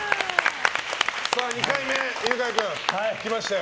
２回目、犬飼君来ましたよ。